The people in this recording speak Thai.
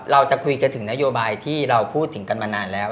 เราจะคุยกันถึงนโยบายที่เราพูดถึงกันมานานแล้ว